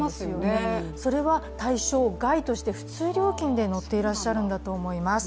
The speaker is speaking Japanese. それは対象外として普通料金で乗っていらっしゃるんだと思います。